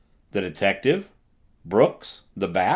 The detective? Brooks? The Bat?